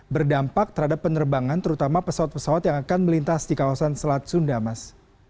berdampak terhadap penerbangan terutama pesawat pesawat yang akan melintas di kawasan selat sunda mas